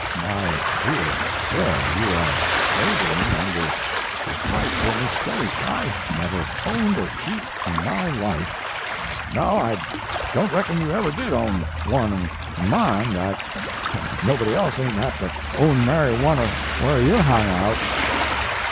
"My dear sir, you are laboring under a frightful mistake. I never owned a sheep in my life " "No, I don t reckon you ever did own one an mo n that, nobody else ain t apt to own nary one whar you hang out.